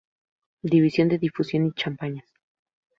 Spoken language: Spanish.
División de Difusión y Campañas.